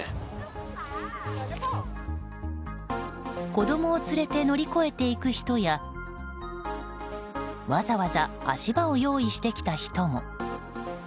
子供を連れて乗り越えていく人やわざわざ足場を用意してきた人も。